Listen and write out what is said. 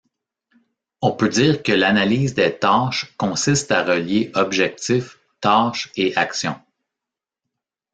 On peut dire que l'analyse des tâches consiste à relier objectifs, tâches et actions.